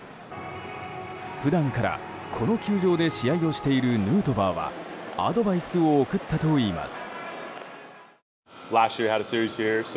普段からこの球場で試合をしているヌートバーはアドバイスを送ったといいます。